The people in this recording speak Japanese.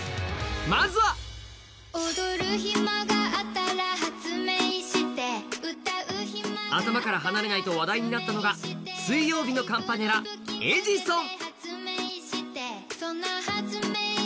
まずは頭から離れないと話題になったのが水曜日のカンパネラ、「エジソン」。